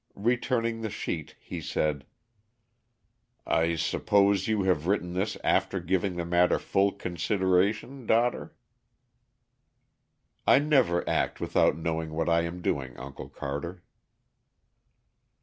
Returning the sheet he said: "I suppose you have written this after giving the matter full consideration, daughter?" "I never act without knowing what I am doing, Uncle Carter."